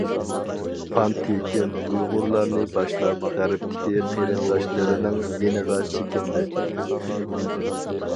پان تېكىن ئۇيغۇرلارنى باشلاپ غەربتىكى قېرىنداشلىرىنىڭ يېنىغا چېكىندى.